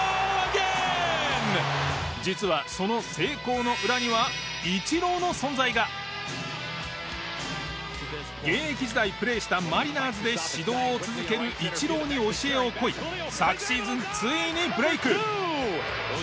実はその成功の裏には現役時代プレーしたマリナーズで指導を続けるイチローに教えを請い昨シーズンついにブレーク。